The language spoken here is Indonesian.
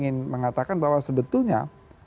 ingin mengatakan bahwa sebetulnya